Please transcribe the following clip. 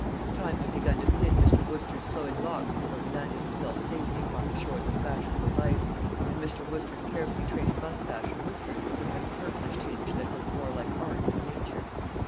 Time had begun to thin Mr. Wooster's flowing locks before he landed himself safely upon the shores of fashionable life, and Mr. Wooster's carefully trained moustache and whiskers had a purplish tinge that looked more like art than nature.